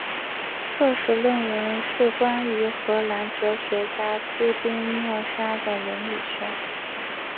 硕士论文是关于荷兰哲学家斯宾诺莎的伦理学。